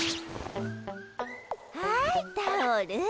はいタオル。